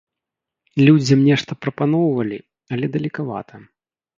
Людзям нешта прапаноўвалі, але далекавата.